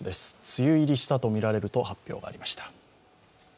梅雨入りしたとみられると発表がありました。